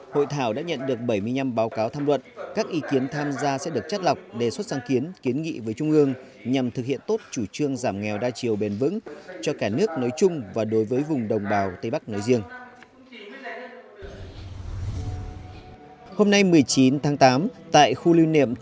hội thảo đã nhận được bảy mươi năm báo cáo tham luận các ý kiến tham gia sẽ được chất lọc đề xuất sang kiến kiến nghị với trung ương nhằm thực hiện tốt chủ trương giảm nghèo đa chiều bền vững cho cả nước nói chung và đối với vùng đồng bào tây bắc nói riêng